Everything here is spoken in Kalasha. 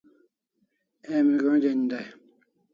Emi go'n' den dai